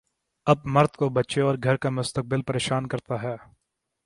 اب مرد کو بچے اور گھر کا مستقبل پریشان کرتا ہے۔